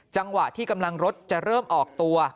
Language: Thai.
จังหวะที่กำลังรถจะเริ่มออกตัว